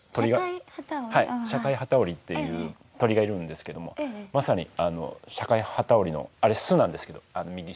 はいシャカイハタオリっていう鳥がいるんですけどもまさにあのシャカイハタオリのあれ巣なんですけど右下。